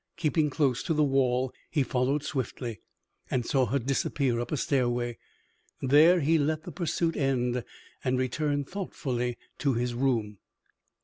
Keeping close to the wall, he followed swiftly and saw her disappear up a stairway. There he let the pursuit end and returned thoughtfully to his room.